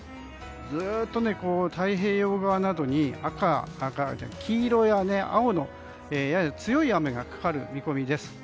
ずっと太平洋側などに黄色や青のやや強い雨がかかる見込みです。